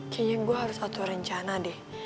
kayanya gue harus atur rencana deh